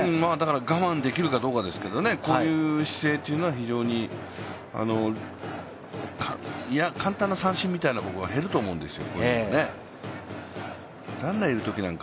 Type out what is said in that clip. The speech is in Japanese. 我慢できるかどうかですけどね、こういう姿勢というのは簡単な三振みたいなのは減ると思うんですよ。